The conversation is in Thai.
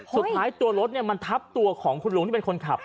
สุดท้ายตัวรถมันทับตัวของคุณลุงที่เป็นคนขับ